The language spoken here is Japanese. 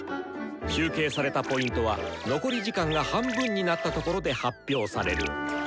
集計されたＰは残り時間が半分になったところで発表される。